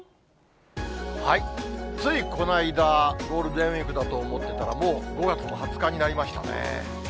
ついこの間、ゴールデンウィークだと思ってたら、もう５月も２０日になりましたね。